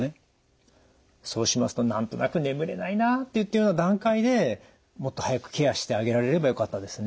そうしますと何となく眠れないなといったような段階でもっと早くケアしてあげられればよかったですね。